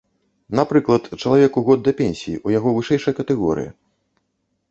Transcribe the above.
Напрыклад, чалавеку год да пенсіі, у яго вышэйшая катэгорыя.